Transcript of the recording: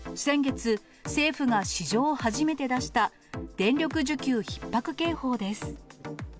先月、政府が史上初めて出した電力需給ひっ迫警報です。